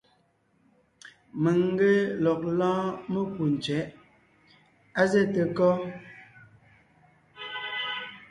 Mèŋ n ge lɔg lɔ́ɔn mekú tsẅɛ̌ʼ. Á zɛ́te kɔ́?